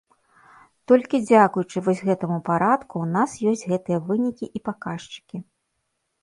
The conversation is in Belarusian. Толькі дзякуючы вось гэтаму парадку ў нас ёсць гэтыя вынікі і паказчыкі.